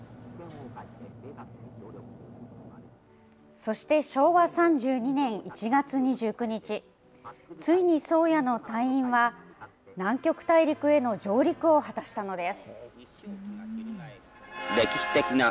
そして昭和３２年１月２９日、ついに宗谷の隊員は、南極大陸への上陸を果たしたのです。